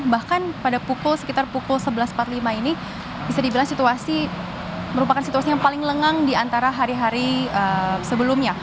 bahkan pada pukul sekitar pukul sebelas empat puluh lima ini bisa dibilang situasi merupakan situasi yang paling lengang di antara hari hari sebelumnya